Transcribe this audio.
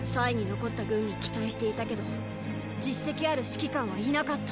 残った軍に期待していたけど実績ある指揮官はいなかった。